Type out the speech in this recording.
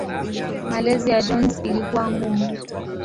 Malezi ya Jones ilikuwa ngumu.